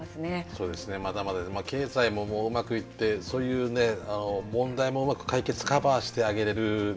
そうですねまだまだ経済もうまくいってそういう問題もうまく解決カバーしてあげれる「ゆいまーる」って言葉ありますからね。